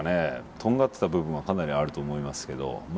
とんがってた部分はかなりあると思いますけどま